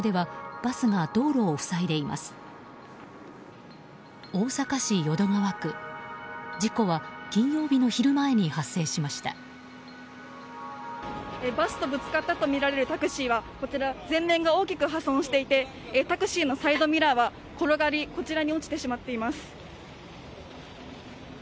バスとぶつかったとみられるタクシーは前面が大きく破損していてタクシーのサイドミラーは転がりこちらに落ちてしまっています。